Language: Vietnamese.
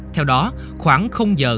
theo đó khoảng giờ